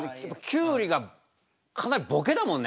キュウリがかなりボケだもんね。